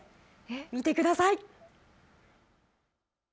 見てください。